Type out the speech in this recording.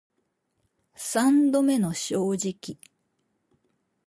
三度目の正直